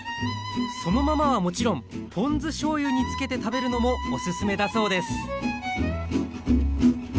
そのままはもちろんポン酢しょうゆにつけて食べるのもオススメだそうです